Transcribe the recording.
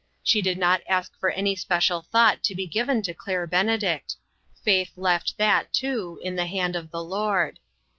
She did not ask for any special thought to be given to Claire Bene dict; faith left that, too, in the hand of the Lord.